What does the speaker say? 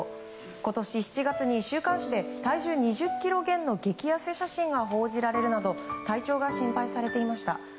今年７月に週刊誌で体重２０ｋｇ減の激やせ写真が報じられるなど体調が心配されていました。